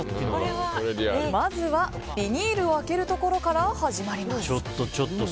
まずはビニールを開けるところから始まります。